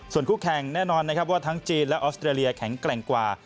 ส่วนคู่แข่งแน่นอนนะครับว่าทั้งจีนและออสเตรเลียแข็งแกร่งกว่า